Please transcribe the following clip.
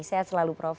sehat selalu prof